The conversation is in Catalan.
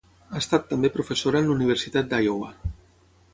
Ha estat també professora en la Universitat d'Iowa.